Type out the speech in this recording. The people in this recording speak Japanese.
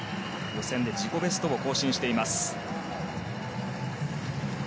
予選で自己ベストを更新しています。